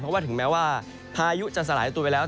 เพราะว่าถึงแม้ว่าพายุจะสลายตัวไปแล้ว